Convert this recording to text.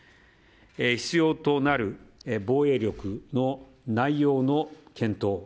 必要となる防衛力の内容の検討。